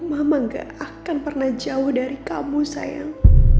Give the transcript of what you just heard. mama gak akan pernah jauh dari kamu sayang